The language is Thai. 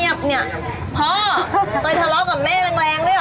โยนไถกะละบังจะทิ้งแล้ว